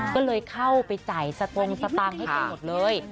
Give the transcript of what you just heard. ก็เลยเข้าไปจ่ายสตงสตางค์ให้กันหมดเลย